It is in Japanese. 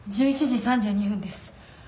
１１時３２分です。